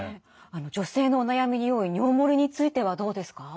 女性のお悩みに多い尿もれについてはどうですか？